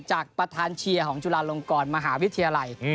จากประธานเชียร์ของจุฬาลงกรมหาวิทยาลัย